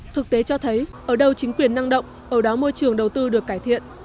thực tế cho thấy ở đâu chính quyền năng động ở đó môi trường đầu tư được cải thiện